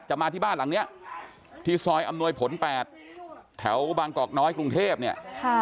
มาที่บ้านหลังเนี้ยที่ซอยอำนวยผล๘แถวบางกอกน้อยกรุงเทพเนี่ย